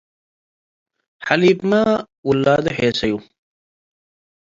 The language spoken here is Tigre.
. ሐሊብመ ውላዱ ሔሰዩ፣